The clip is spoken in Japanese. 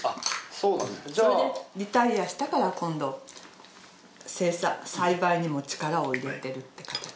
それでリタイアしたから今度栽培にも力を入れてるってかたち。